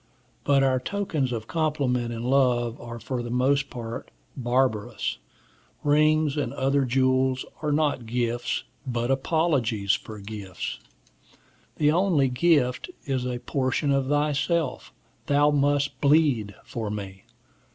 But our tokens of compliment and love are for the most part barbarous. Rings and other jewels are not gifts, but apologies for gifts. The only gift is a portion of thyself. Thou must bleed for me.